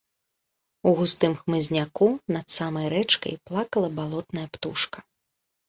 У густым хмызняку, над самай рэчкай, плакала балотная птушка.